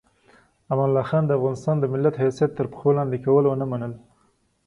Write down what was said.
امان الله خان د افغانستان د ملت حیثیت تر پښو لاندې کول ونه منل.